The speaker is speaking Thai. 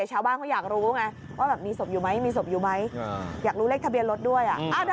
ชาวบ้านเขาอยากรู้ไหมว่ามีศพอยู่ไหมอยากรู้เลขทะเบียนรถด้วย